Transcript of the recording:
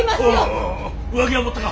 おお上着は持ったか？